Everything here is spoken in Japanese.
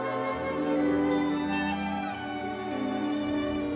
うん。